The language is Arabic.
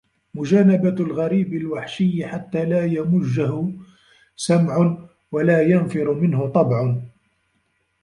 مُجَانَبَةُ الْغَرِيبِ الْوَحْشِيِّ حَتَّى لَا يَمُجَّهُ سَمْعٌ وَلَا يَنْفِرُ مِنْهُ طَبْعٌ